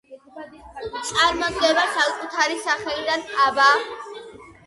წარმოდგება საკუთარი სახელიდან „აბა“.